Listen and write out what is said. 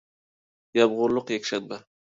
يامغۇرلۇق يەكشەنبە